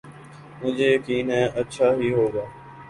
مجھے یقین ہے اچھا ہی ہو گا۔